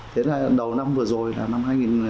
thế là đầu năm vừa rồi là năm hai nghìn hai mươi ba